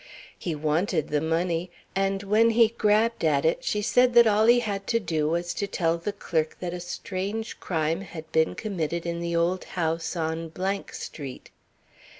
He wanted the money, and when he grabbed at it she said that all he had to do was to tell the clerk that a strange crime had been committed in the old house on Street.